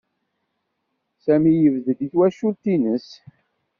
Sami yebded i twacult-nnes.